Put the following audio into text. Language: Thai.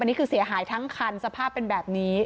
อันนี้คือเสียหายทั้งคันสภาพเป็นแบบนี้